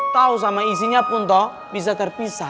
tahu sama isinya pun toh bisa terpisah